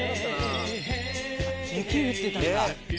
雪降ってたんだ。